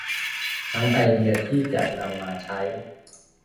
ทั้งไอเดียที่จะนำมาใช้